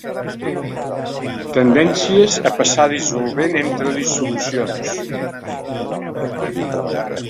Tendències a passar dissolvent entre dissolucions.